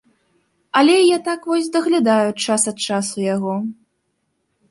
Але я так вось даглядаю час ад часу яго.